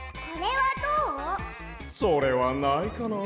それはないかな。